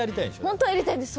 本当はやりたいです。